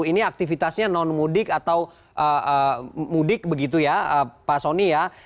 ini aktivitasnya non mudik atau mudik begitu ya pak soni ya